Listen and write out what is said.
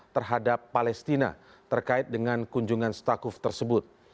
terhadap palestina terkait dengan kunjungan stakuf tersebut